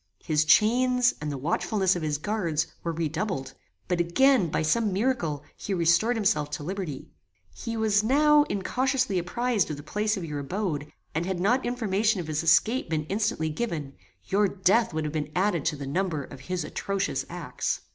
His chains, and the watchfulness of his guards, were redoubled; but again, by some miracle, he restored himself to liberty. He was now incautiously apprized of the place of your abode: and had not information of his escape been instantly given, your death would have been added to the number of his atrocious acts.